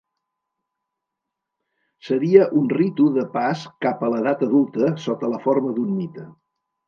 Seria un ritu de pas cap a l'edat adulta sota la forma d'un mite.